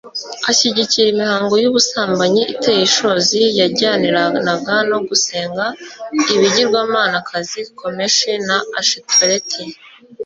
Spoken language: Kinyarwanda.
ashyigikira imihango y'ubusambanyi iteye ishozi yajyaniranaga no gusenga ibigirwamanakazi kemoshi na ashitoreti